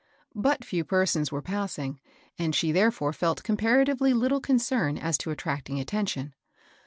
But few persons were passing, and she therefore felt comparatively little concern as to attracting attention.